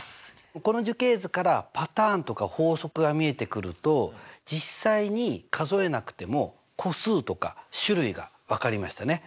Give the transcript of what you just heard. この樹形図からパターンとか法則が見えてくると実際に数えなくても個数とか種類が分かりましたね。